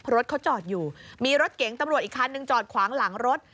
รถเขาจอดอยู่มีรถเก๋งตำรวจอีกคันนึงจอดขวางหลังรถ